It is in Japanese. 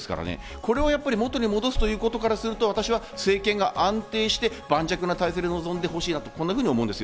これを元に戻すことからすると政権が安定して盤石な体制で臨んでほしいと思います。